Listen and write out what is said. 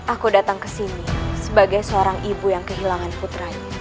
aku datang kesini sebagai seorang ibu yang kehilangan putranya